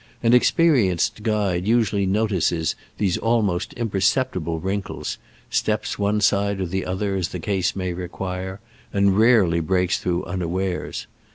An experienced guide usually notices these almost impercep tible wrinkles, steps one side or the other, as the case may require, and rarely breaks through unawares.